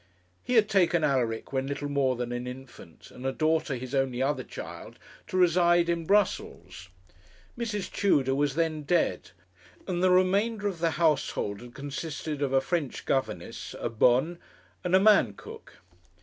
He had taken Alaric when little more than an infant, and a daughter, his only other child, to reside in Brussels. Mrs. Tudor was then dead, and the remainder of the household had consisted of a French governess, a bonne, and a man cook.